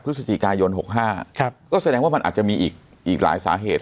พฤศจิกายณ์หกห้าครับก็แสดงว่ามันอาจจะมีอีกอีกหลายสาเหตุ